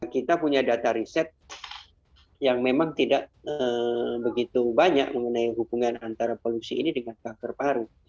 kita punya data riset yang memang tidak begitu banyak mengenai hubungan antara polusi ini dengan kanker paru